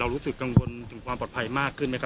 รู้สึกกังวลถึงความปลอดภัยมากขึ้นไหมครับ